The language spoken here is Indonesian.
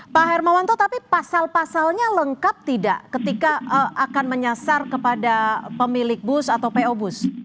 pak hermawanto tapi pasal pasalnya lengkap tidak ketika akan menyasar kepada pemilik bus atau po bus